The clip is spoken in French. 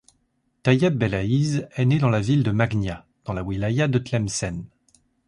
Tayeb Belaiz est né dans la ville de Maghnia, dans la wilaya de Tlemcen.